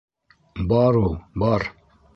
Бар ул, бар.